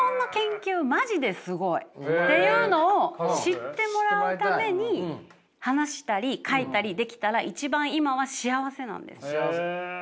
っていうのを知ってもらうために話したり書いたりできたら一番今は幸せなんです。